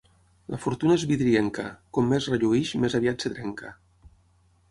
La fortuna és vidrienca: com més rellueix, més aviat es trenca.